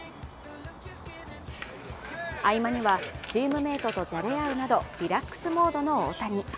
合間には、チームメートとじゃれ合うなどリラックスモードの大谷。